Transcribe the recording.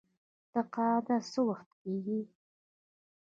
تقاعد څه وخت کیږي؟